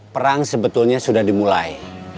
perang sebetulnya sudah dimulai